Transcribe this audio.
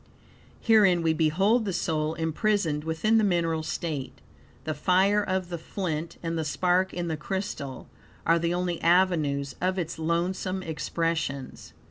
Herein we behold the soul, imprisoned within the mineral state. The fire of the flint, and the spark in the crystal, are the only avenues of its lonesome expressions.